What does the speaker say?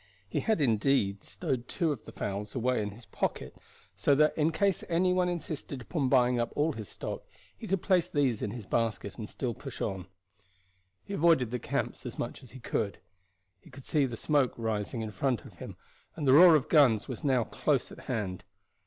He had indeed stowed two of the fowls away in his pocket so that in case any one insisted upon buying up all his stock he could place these in his basket and still push on. He avoided the camps as much as he could. He could see the smoke rising in front of him, and the roar of guns was now close at hand.